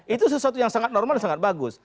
itu sesuatu yang sangat normal sangat bagus